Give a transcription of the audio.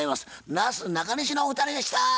なすなかにしのお二人でした。